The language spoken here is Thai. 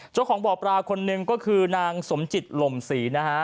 เจ้าของบ่อปลาคนหนึ่งก็คือนางสมจิตหล่มศรีนะฮะ